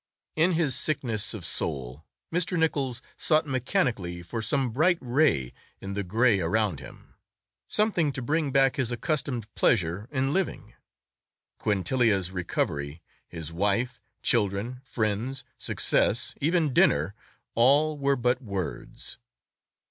In his sickness of soul Mr. Nichols sought mechanically for some bright ray in the gray around him—something to bring back his accustomed pleasure in living. Quintilia's recovery—his wife—children—friends—success—even dinner—all were but words.